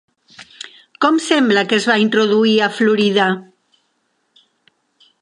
Com sembla que es va introduir a Florida?